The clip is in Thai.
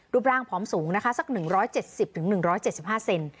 รูปร่างพร้อมสูงนะคะสักหนึ่งร้อยเจ็ดสิบถึงหนึ่งร้อยเจ็ดสิบห้าเซน